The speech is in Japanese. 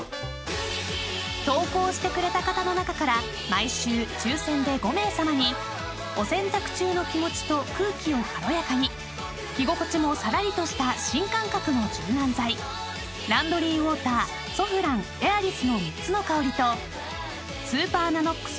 ［投稿してくれた方の中から毎週抽選で５名さまにお洗濯中の気持ちと空気を軽やかに着心地もさらりとした新感覚の柔軟剤ランドリーウォーターソフランＡｉｒｉｓの３つの香りとスーパーＮＡＮＯＸ